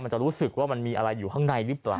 จะรู้สึกว่ามันมีอะไรอยู่ข้างในหรือเปล่า